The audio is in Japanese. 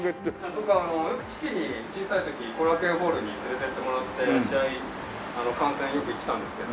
僕よく父に小さい時後楽園ホールに連れて行ってもらって試合観戦よく行ってたんですけど。